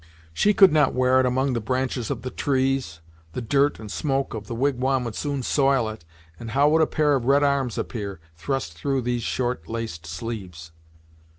She could not wear it among the branches of the trees, the dirt and smoke of the wigwam would soon soil it, and how would a pair of red arms appear, thrust through these short, laced sleeves!"